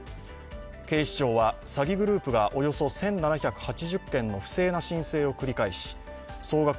警視庁は詐欺グループがおよそ１７８０件の不正な申請を繰り返し、総額